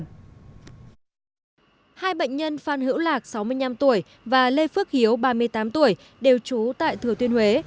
hai bệnh nhân phan hữu lạc sáu mươi năm tuổi và lê phước hiếu ba mươi tám tuổi đều trú tại thừa thiên huế